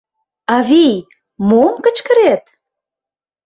Авий, мом кычкырет?